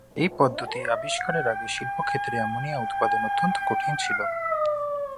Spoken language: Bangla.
এই পদ্ধতি আবিষ্কারের আগে শিল্পক্ষেত্রে অ্যামোনিয়া উৎপাদন অত্যন্ত কঠিন ছিল।